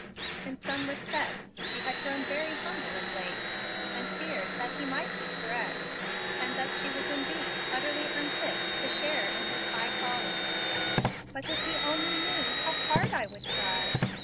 In some respects she had grown very humble of late, and feared that he might be correct, and that she was indeed utterly unfit to share in his high calling. "But if he only knew how hard I would try!"